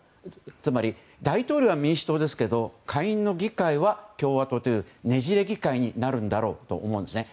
つまり大統領は民主党ですけれども下院の議会は共和党というねじれ議会になるんだろうと思うんですね。